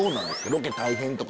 ロケ大変とか。